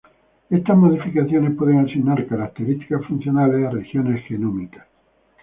Estas modificaciones pueden asignar características funcionales a regiones genómicas.